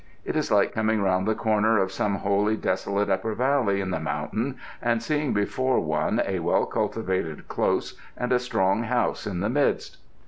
It is like coming round the corner of some wholly desolate upper valley in the mountains and seeing before one a well cultivated close and a strong house in the midst.